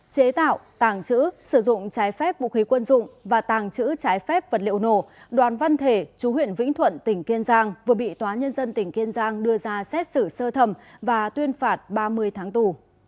chế tạo tàng trữ sử dụng trái phép vũ khí quân dụng và tàng trữ trái phép vật liệu nổ đoàn văn thể chú huyện vĩnh thuận tỉnh kiên giang vừa bị tòa nhân dân tỉnh kiên giang đưa ra xét xử sơ thẩm và tuyên phạt ba mươi tháng tù